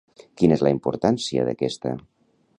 Quina és la importància d'aquesta?